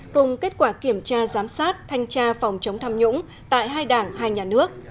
cùng kết quả kiểm tra giám sát thanh tra phòng chống tham nhũng tại hai đảng hai nhà nước